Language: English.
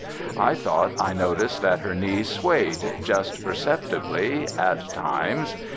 I thought I noticed that her, knees swayed, just perceptibly, at times.